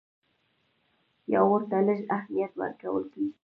یا ورته لږ اهمیت ورکول کېږي.